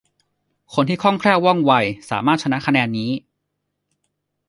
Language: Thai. คนที่คล่องแคล่วว่องไวสามารถ ชนะคะแนนนี้